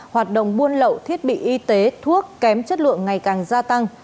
hoạt động buôn lậu thiết bị y tế thuốc kém chất lượng ngày càng gia tăng